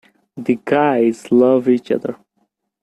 The guys love each other.